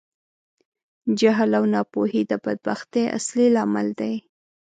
جهل او ناپوهۍ د بدبختي اصلی لامل دي.